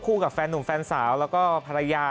คู่กับแฟนนุ่มแฟนสาวและก็ภรรยา